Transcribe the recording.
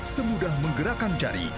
semudah menggerakkan jari